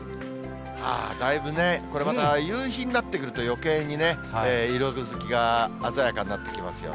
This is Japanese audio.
だいぶね、これまた夕日になってくると、よけいにね、色づきが鮮やかになってきますよね。